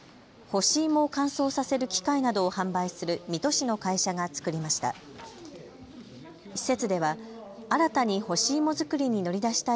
干し芋を乾燥させる機械などを販売する水戸市の会社が作りました。